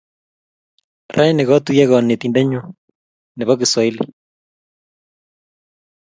raini, katuiye konetindenyo nebo kiswahili